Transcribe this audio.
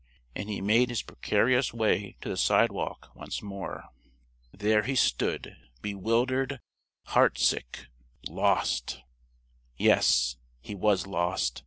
And he made his precarious way to the sidewalk once more. There he stood, bewildered, heartsick lost! Yes, he was lost.